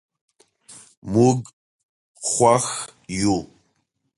موږ خوښ یو.